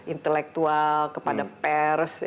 intelektual kepada pers